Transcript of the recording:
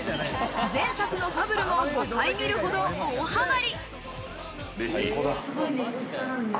前作の『ファブル』も５回、見るほど大ハマり。